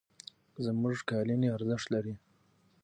زموږ قالینې ارزښت لري.